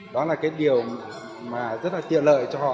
đó là cái điều mà rất là tiện lợi cho họ